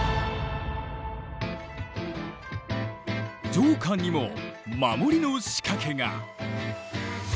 城下にも守りの仕掛けが。